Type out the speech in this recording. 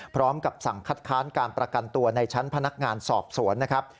พร้อมกับสั่งคัดค้านการประกันตัวในชั้นพนักงานสอบสวนนะครับ